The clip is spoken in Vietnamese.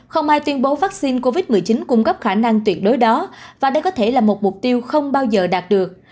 không ai tuyên bố vaccine covid một mươi chín cung cấp khả năng tuyệt đối đó và đây có thể là một mục tiêu không bao giờ đạt được